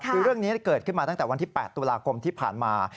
คือเรื่องนี้เกิดขึ้นมาตั้งแต่วันที่๘ตุลาคมที่ผ่านมา